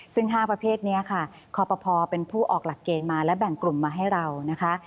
ซึ่ง๕ประเภทนี้ค่ะคอปภเป็นผู้ออกหลักเกณฑ์มาและแบ่งกลุ่มมาให้เรานะคะ